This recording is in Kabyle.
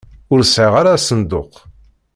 Ur sɛiɣ ara asenduq.